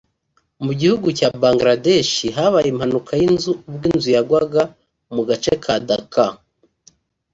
Mu gihugu cya Bangladesh habaye impanuka y’inzu ubwo inzu yagwaga mu gace ka Dhaka